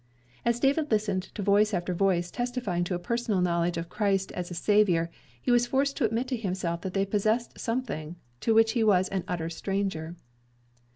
As David listened to voice after voice testifying to a personal knowledge of Christ as a Savior, he was forced to admit to himself that they possessed something to which he was an utter stranger.